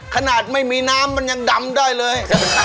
ขนาดไม่มีน้ำมันยังดำได้เลย